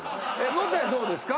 元彌どうですか？